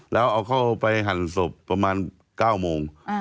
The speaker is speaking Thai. แล้วเอาเข้าไปหั่นศพประมาณ๙โมง